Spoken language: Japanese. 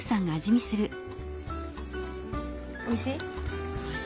おいしい？